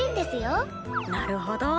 なるほど。